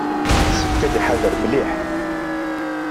Yessefk ad iḥader mliḥ.